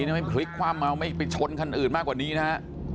ทำไมพลิกคว่ำเอาไม่ไปชนคันอื่นมากกว่านี้นะฮะ